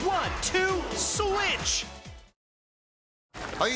・はい！